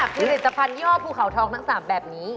ผลิตภัณฑ์ยอดภูเขาทองนักสาปแบบนี้